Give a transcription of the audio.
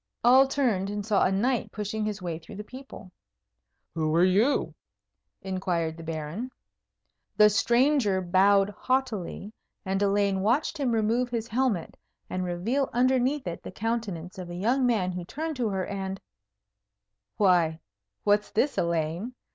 All turned and saw a knight pushing his way through the people. "Who are you?" inquired the Baron. The stranger bowed haughtily; and Elaine watched him remove his helmet, and reveal underneath it the countenance of a young man who turned to her, and Why, what's this, Elaine?